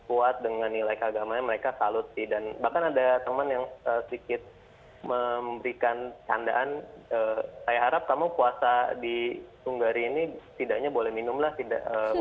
cukup kuat dengan nilai keagamanya mereka salah sih dan bahkan ada teman yang sedikit memberikan tandaan saya harap kamu puasa di hunggari ini tidaknya boleh minum lah tidak